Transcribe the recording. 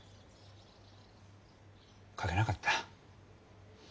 書けなかった。